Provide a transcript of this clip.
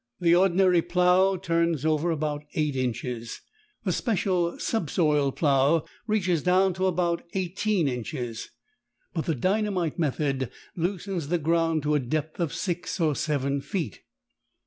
The ordinary plough turns over about eight inches, the special subsoil plough reaches down to about eighteen inches, but the dynamite method loosens the ground to a depth of six or seven feet.